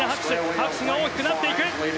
拍手が大きくなっていく。